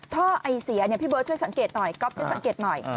ท่อไอเสียพี่เบิร์ตช่วยสังเกตหน่อยก๊อฟช่วยสังเกตหน่อย